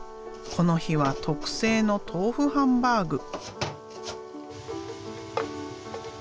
この日は特製の豆腐ハンバーグ。